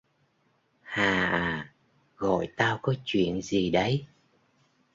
Hà à, gọi tao có chuyện gì đấy